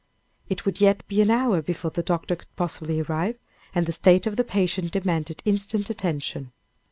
It would yet be an hour before the doctor could possibly arrive, and the state of the patient demanded instant attention.